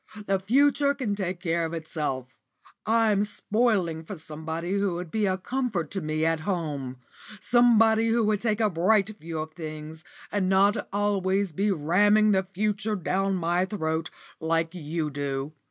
The future can take care of itself. I'm spoiling for somebody who would be a comfort to me at home somebody who would take a bright view of things and not always be ramming the future down my throat, like you do.